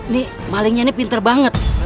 nih malingnya ini pinter banget